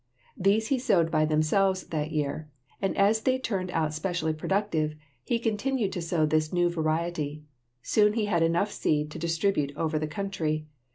These he sowed by themselves that year, and as they turned out specially productive he continued to sow this new variety. Soon he had enough seed to distribute over the country.